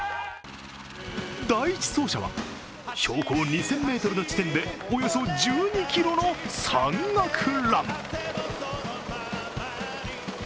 第１走者は、標高２０００ｍの地点でおよそ１２ｋｍの山岳ラン。